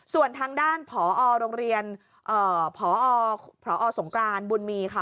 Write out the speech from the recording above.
ส่วนทางด้านผอโรงเรียนพอสงกรานบุญมีค่ะ